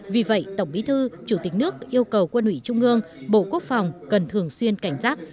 vì vậy tổng bí thư chủ tịch nước yêu cầu quân ủy trung ương bộ quốc phòng cần thường xuyên cảnh giác